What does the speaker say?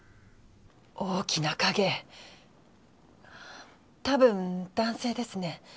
大きな影たぶん男性ですね。